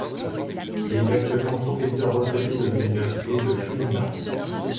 Il est actuellement professeur retraité de l'université de Fluminense.